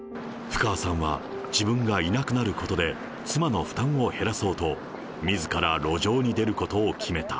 布川さんは自分がいなくなることで、妻の負担を減らそうと、みずから路上に出ることを決めた。